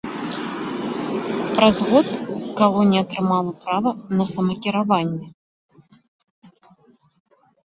Праз год калонія атрымала права на самакіраванне.